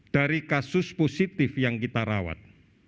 dari kasus positif yang kita rawat